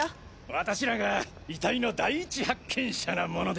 私らが遺体の第一発見者なもので。